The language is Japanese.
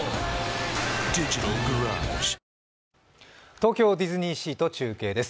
東京ディズニーシーと中継です。